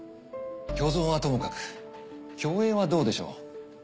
共存はともかく共栄はどうでしょう。